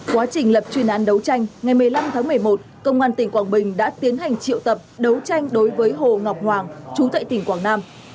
quá trình lập chuyên án đấu tranh ngày một mươi năm tháng một mươi một công an tỉnh quảng bình đã tiến hành triệu tập đấu tranh đối với hồ ngọc hoàng chú tại tỉnh quảng nam